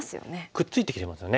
くっついてきてますよね。